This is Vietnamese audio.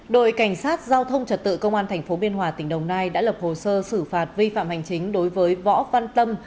đội cảnh sát giao thông trật tự công an tp biên hòa tỉnh đồng nai đã lập hồ sơ xử phạt vi phạm hành chính đối với võ văn tâm